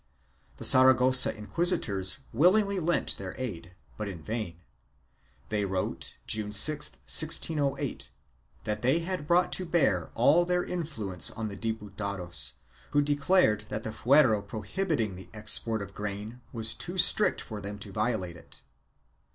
The Saragossa inquisitors willingly lent their aid, but in vain. They wrote, June 6, 1608, that they had brought to bear all their influence on the Diputados who declared that the fuero prohibiting the export of grain was too strict for them to violate it.